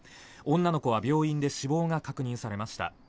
女の子は病院で死亡が確認されました。